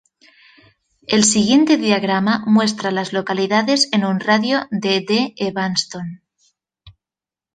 El siguiente diagrama muestra a las localidades en un radio de de Evanston.